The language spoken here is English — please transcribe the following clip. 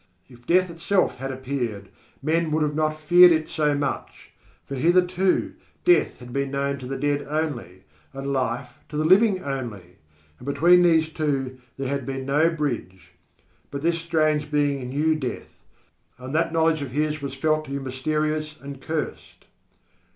If death itself had appeared men would not have feared it so much; for hitherto death had been known to the dead only, and life to the living only, and between these two there had been no bridge. But this strange being knew death, and that knowledge of his was felt to be mysterious and cursed.